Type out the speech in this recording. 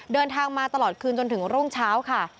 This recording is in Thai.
เดินทางมาตลอดคืนจนถึงรุ่งเช้าค่ะ